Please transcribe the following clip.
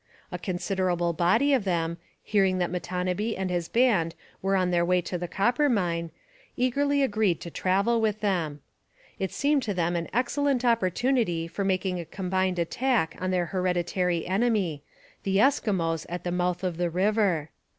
A considerable body of them, hearing that Matonabbee and his band were on the way to the Coppermine, eagerly agreed to travel with them. It seemed to them an excellent opportunity for making a combined attack on their hereditary enemy, the Eskimos at the mouth of the river.